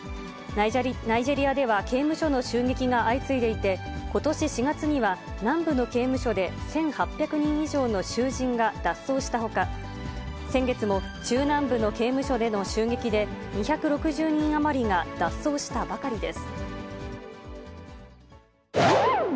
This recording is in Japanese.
ナイジェリアでは刑務所の襲撃が相次いでいて、ことし４月には南部の刑務所で１８００人以上の囚人が脱走したほか、先月も中南部の刑務所での襲撃で、２６０人余りが脱走したばかりです。